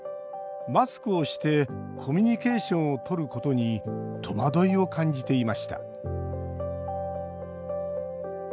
マスクをしてコミュニケーションをとることに戸惑いを感じていました。